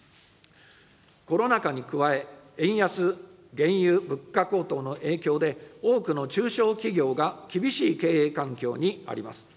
コロナ禍に加え、円安、原油・物価高騰の影響で、多くの中小企業が厳しい経営環境にあります。